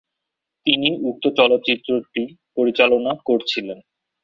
তিনি উক্ত চলচ্চিত্রটি পরিচালনা করছিলেন।